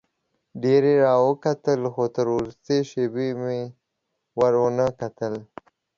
ډېر یې راوکتل خو تر وروستۍ شېبې مې ور ونه کتل.